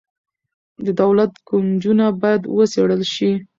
د دولت کونجونه باید وڅیړل شي.